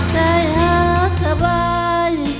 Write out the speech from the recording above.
ใจหักสบาย